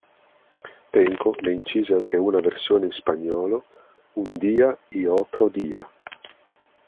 Tenco ne incise anche una versione in spagnolo "Un día y otro día".